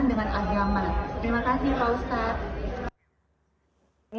terima kasih pak ustadz